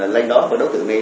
lên đó với đối tượng này